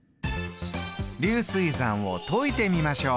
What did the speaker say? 流水算を解いてみましょう！